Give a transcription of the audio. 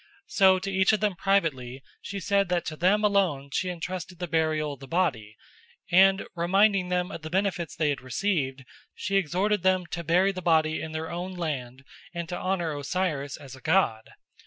So to each of them privately she said that to them alone she entrusted the burial of the body, and reminding them of the benefits they had received she exhorted them to bury the body in their own land and to honour Osiris as a god.